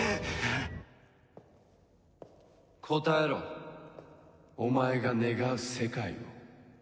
答えろお前が願う世界を。